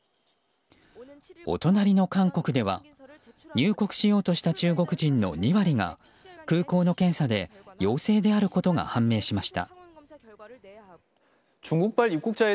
お隣の韓国では入国しようとした中国人の２割が空港の検査で陽性であることが判明しました。